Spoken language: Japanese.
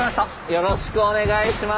よろしくお願いします。